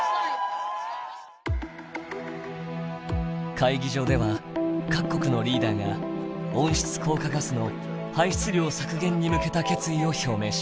会議場では各国のリーダーが温室効果ガスの排出量削減に向けた決意を表明しました。